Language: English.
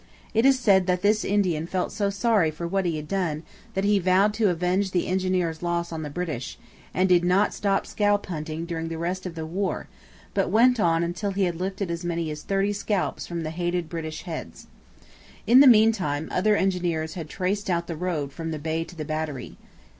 It is said that this Indian felt so sorry for what he had done that he vowed to avenge the engineer's loss on the British, and did not stop scalp hunting during the rest of the war; but went on until he had lifted as many as thirty scalps from the hated British heads. In the meantime, other engineers had traced out the road from the bay to the battery.